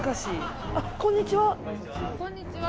あっこんにちは。